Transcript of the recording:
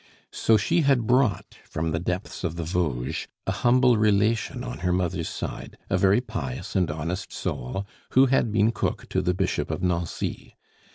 So she had brought from the depths of the Vosges a humble relation on her mother's side, a very pious and honest soul, who had been cook to the Bishop of Nancy.